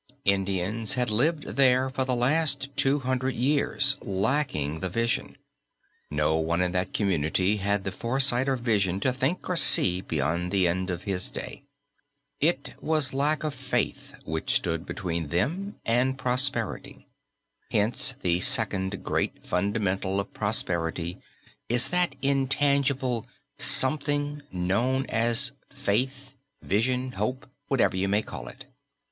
Indians had lived there for the last two hundred years lacking the vision. No one in that community had the foresight or vision to think or see beyond the end of his day. It was lack of faith which stood between them and prosperity. Hence, the second great fundamental of prosperity is that intangible "something," known as faith, vision, hope, whatever you may call it.